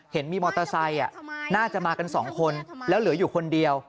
เห็นมีมอเตอร์ไซค์น่าจะมากัน๒คนแล้วเหลืออยู่คนเดียว